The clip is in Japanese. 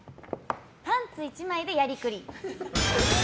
パンツ１枚でやりくり。